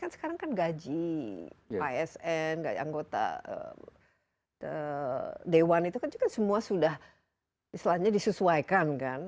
kan sekarang kan gaji asn anggota dewan itu kan juga semua sudah istilahnya disesuaikan kan